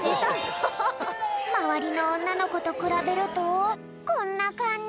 まわりのおんなのことくらべるとこんなかんじ！